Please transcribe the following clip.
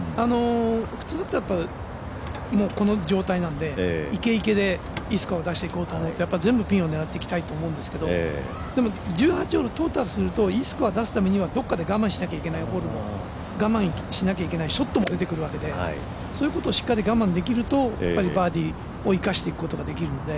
普通だったら、この状態なのでいけいけで、いいスコアを出していこうと思うと、全部ピンを狙っていきたいと思うんですけども１８でトータルするといいスコアを出すためにはどこかで我慢しなきゃいけないホールも我慢しなきゃいけないショットも出てくるのでそういうことをしっかり我慢できるとバーディーを生かしていくことができるので